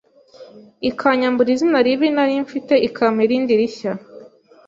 ikanyambura izina ribi nari mfite ikampa irindi rishya